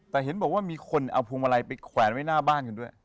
แต่เห็นบอกว่ามีคนเอาพวงมาลัยไปแขวนไว้หน้าบ้านกันด้วย